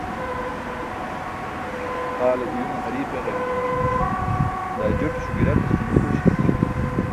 Haale uyume hari̇i̇p eġari̇ke daa joṭiśo gi̇ratas cum be dośayas